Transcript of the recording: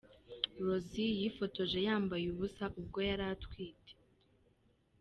Rosie yifotoje yambaye ubusa ubwo yari atwite.